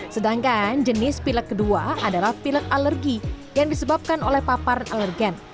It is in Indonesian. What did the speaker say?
sedangkan jenis pilek kedua adalah pilek alergi yang disebabkan oleh paparan alergen